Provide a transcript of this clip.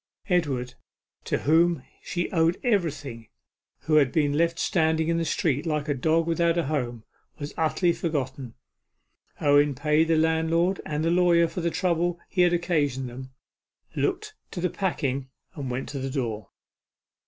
Edward, to whom she owed everything, who had been left standing in the street like a dog without a home, was utterly forgotten. Owen paid the landlord and the lawyer for the trouble he had occasioned them, looked to the packing, and went to the door.